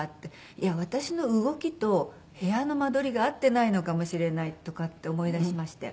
いや私の動きと部屋の間取りが合ってないのかもしれないとかって思いだしまして。